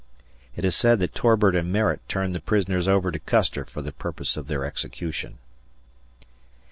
It is said that Torbert and Merritt turned the prisoners over to Custer for the purpose of their execution.